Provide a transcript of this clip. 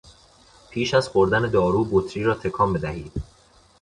پیش از خوردن دارو بطری را تکان بدهید.